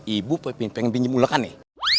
ibu pengen pinjem ulekan nih